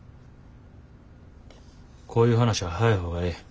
こういう話は早い方がええ。